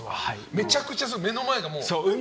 めちゃくちゃ目の前が海。